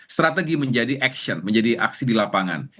strategi menjadi aksi di lapangan